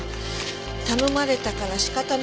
頼まれたから仕方なく。